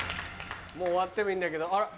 もう終わってもいいんだけどあら